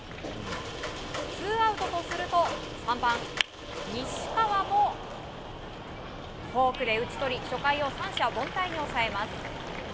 ツーアウトとすると３番、西川もフォークで打ち取り初回を三者凡退に抑えます。